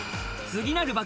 次なる爆